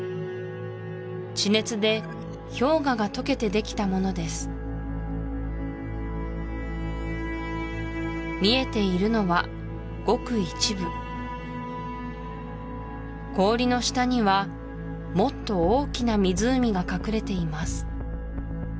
地熱で氷河がとけてできたものです見えているのはごく一部氷の下にはもっと大きな湖が隠れています